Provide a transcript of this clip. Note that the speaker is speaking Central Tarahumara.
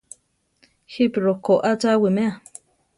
¿Jípi rokó a cha awimea?